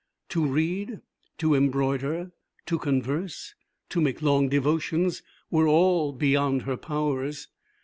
To read, to embroider, to converse, to make long devotions, were all beyond her powers.